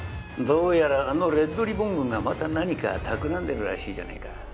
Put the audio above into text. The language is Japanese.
どうやらあのレッドリボン軍がまた何かたくらんでるらしいじゃないか。